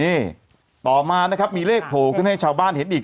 นี่ต่อมานะครับมีเลขโผล่ขึ้นให้ชาวบ้านเห็นอีก